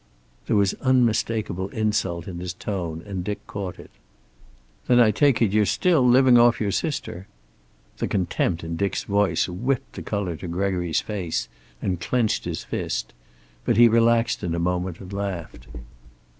There was unmistakable insult in his tone, and Dick caught it. "Then I take it you're still living off your sister?" The contempt in Dick's voice whipped the color to Gregory's face and clenched his fist. But he relaxed in a moment and laughed.